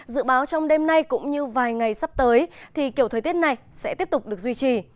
dự báo trong đêm nay cũng như vài ngày sắp tới thì kiểu thời tiết này sẽ tiếp tục được duy trì